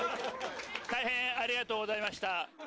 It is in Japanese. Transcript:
大変ありがとうございました。